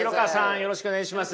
よろしくお願いします。